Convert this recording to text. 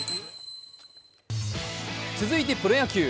続いてプロ野球。